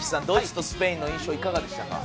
ドイツとスペインの印象はどうですか。